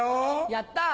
やった。